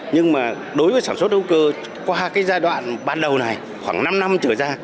nhưng mà đối với sản xuất hữu cơ qua cái giai đoạn ban đầu này khoảng năm năm trở ra